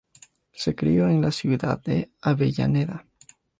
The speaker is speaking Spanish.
Se crio en la ciudad de Avellaneda.